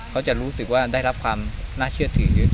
เขาจะรู้สึกว่าได้รับความน่าเชื่อถือเยอะ